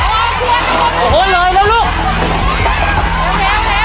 ไปเลยน้องโอมรีบมา